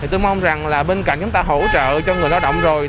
tôi mong rằng là bên cạnh chúng ta hỗ trợ cho người lao động rồi